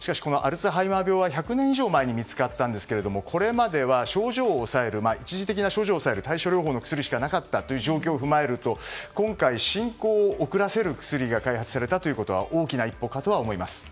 しかしアルツハイマー病は１００年以上前に見つかったんですけどこれまでは一時的な症状を抑える対処療法的な薬しかなかったことを踏まえると今回、進行を遅らせる薬が開発されたということは大きな一歩かとは思います。